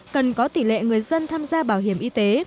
cần có tỷ lệ người dân tham gia bảo hiểm y tế